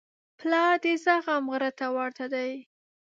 پلار د زغم غره ته ورته دی.